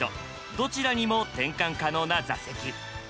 どちらにも転換可能な座席。